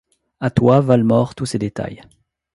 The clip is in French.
A toi, Valmore, tous ces détails.